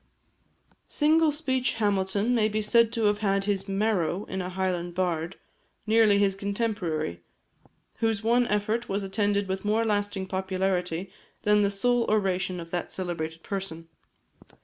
Single speech Hamilton may be said to have had his marrow in a Highland bard, nearly his contemporary, whose one effort was attended with more lasting popularity than the sole oration of that celebrated person.